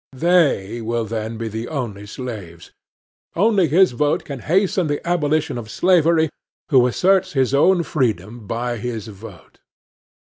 They will then be the only slaves. Only his vote can hasten the abolition of slavery who asserts his own freedom by his vote.